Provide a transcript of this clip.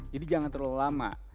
jadi jangan terlalu lama